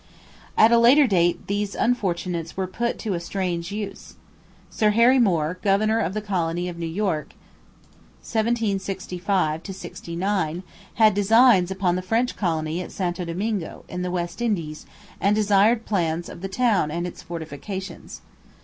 At a later date these unfortunates were put to a strange use. Sir Harry Moore, governor of the colony of New York (1765 69), had designs upon the French colony at Santo Domingo, in the West Indies, and desired plans of the town and its fortifications.